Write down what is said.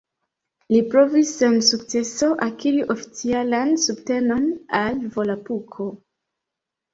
Li provis, sen sukceso, akiri oficialan subtenon al Volapuko.